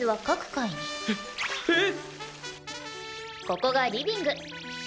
ここがリビング。